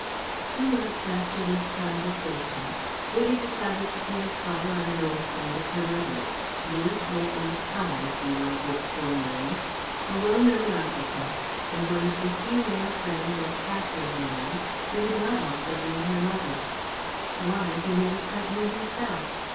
Two months after this conversation Vivie decided to pay a call on an old friend of her mother's, Lewis Maitland Praed, if you want his full name, a well known architect, and one of the few male friends of Catherine Warren who had not also been her lover. Why, he never quite knew himself.